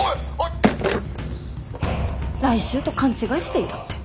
来週と勘違いしていたって。